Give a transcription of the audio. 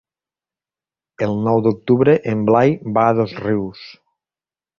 El nou d'octubre en Blai va a Dosrius.